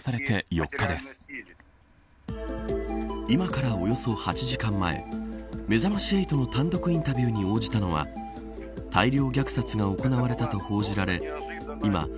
今からおよそ８時間前めざまし８の単独インタビューに応じたのは大量虐殺が行われたと報じられ今、